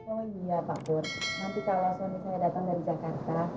oh iya pak kurs nanti kalau suami saya datang dari jakarta